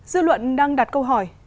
dư luận đang đặt câu hỏi